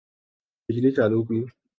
بجلی چالو کی